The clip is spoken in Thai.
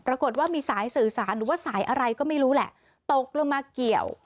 ปรากฏว่ามีสายสื่อสารหรือว่าสายอะไรก็ไม่รู้แหละตกลงมาเกี่ยว